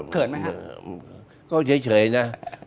ไหมครับก็เฉยนะ